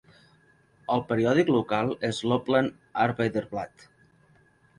El periòdic local és l'"Oppland Arbeiderblad".